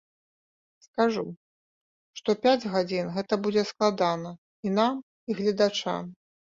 Скажу, што пяць гадзін гэта будзе складана і нам, і гледачам.